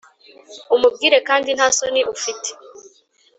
umubwire kandi nta soni ufite